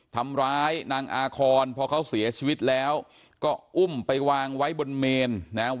ทำร้ายนางอาคอนพอเขาเสียชีวิตแล้วก็อุ้มไปวางไว้บนเมนนะครับ